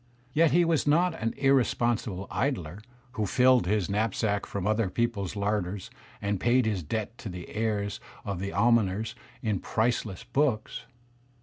Yet he was not an irresponsible idler who filled his knapsack from other peoples' larders and paid his debt to the heirs of the almoners in priceless books.